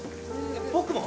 僕も？